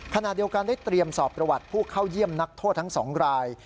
ขณะเดียวกันได้เตรียมสอบประวัติผู้เข้าเยี่ยมนักโทษทั้ง๒ราย